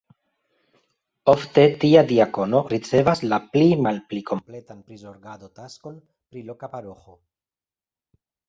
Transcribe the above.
Ofte tia diakono ricevas la pli malpli kompletan prizorgado-taskon pri loka paroĥo.